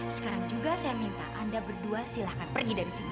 sekarang juga saya minta anda berdua silahkan pergi dari sini